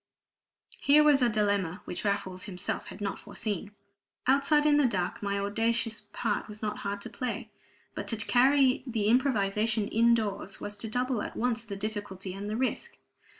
Here was a dilemma which Raffles himself had not foreseen! Outside, in the dark, my audacious part was not hard to play; but to carry the improvisation in doors was to double at once the difficulty and the risk.